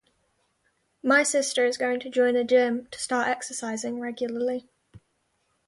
My sister is going to join a gym to start exercising regularly.